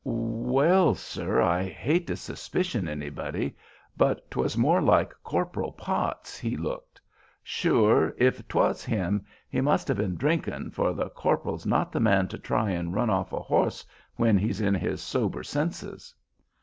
"Well, sir, I hate to suspicion anybody, but 'twas more like Corporal Potts he looked. Sure, if 'twas him, he must ha' been drinkin', for the corporal's not the man to try and run off a horse when he's in his sober sinses."